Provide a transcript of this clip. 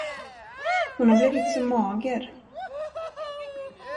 Hon har blivit så mager.